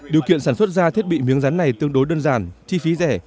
điều kiện sản xuất ra thiết bị miếng rắn này tương đối đơn giản chi phí rẻ